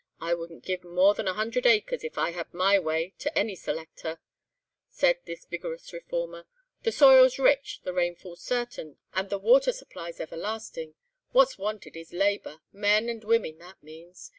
I wouldn't give more than a hundred acres, if I had my way, to any selector," said this vigorous reformer. "The soil's rich, the rainfall's certain, and the water supply's everlastin'. What's wanted is labour—men and women, that means.